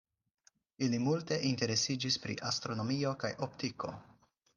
Ili multe interesiĝis pri astronomio kaj optiko.